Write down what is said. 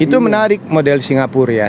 itu menarik model singapura